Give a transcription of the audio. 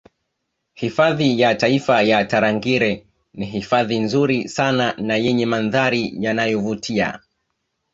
Hifadhi ya taifa ya Tarangire ni hifadhi nzuri sana na yenye mandhari yanayovutia